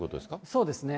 そうですね。